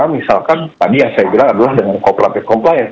misalkan tadi yang saya bilang adalah dengan compliance compliance